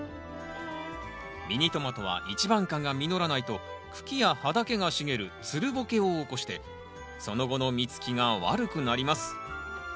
ミニトマトは一番花が実らないと茎や葉だけが茂るつるボケを起こしてその後の実つきが悪くなります。